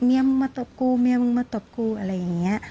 เมียมึงมาตบกูเมียมึงมาตบกูอะไรอย่างนี้